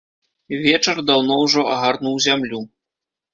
Вечар даўно ўжо агарнуў зямлю.